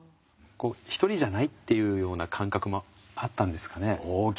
ひとりじゃないっていうような感覚もあったんですかね。